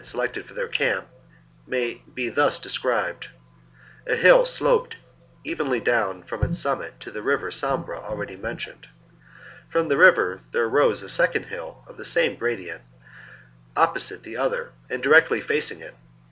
selected for their camp may be thus described. ^ Description A hill slopcd cvenly down from its summit to SonoifJhe the river Sambre already mentioned. From the selected for nvcr thcrc arose a second hill of the same STmp^'^^ gradient, opposite the other and directly facing it.